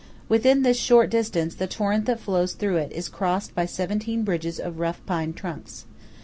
Within this short distance, the torrent that flows through it is crossed by seventeen bridges of rough pine trunks.